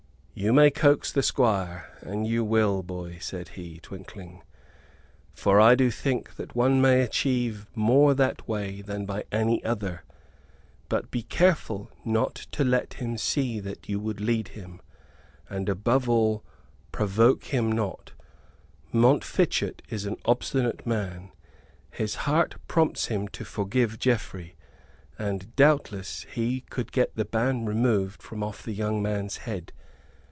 "You may coax the Squire, an you will, boy," said he, twinkling; "for I do think that one may achieve more that way than by any other. But be careful not to let him see that you would lead him; and, above all, provoke him not. Montfichet is an obstinate man. His heart prompts him to forgive Geoffrey; and doubtless he could get the ban removed from off the young man's head.